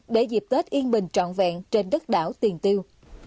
để dịp tết yên bình trọn vẹn trên đất đảo tiền tiêu